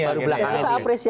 baru belakangan ini ya